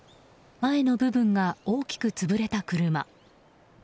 前の部分が大きく潰れた車。